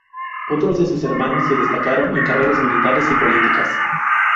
Otros de sus hermanos se destacaron en carreras militares y políticas.